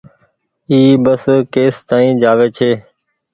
اي بس ڪيس تآئين جآئي۔